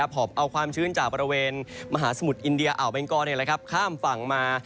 หอบเอาความชื้นจากบริเวณมหาสมุทรอินเดียอ่าวเบงกอข้ามฝั่งมา